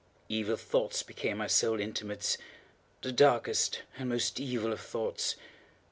Evil thoughts became my sole intimates—the darkest and most evil of thoughts.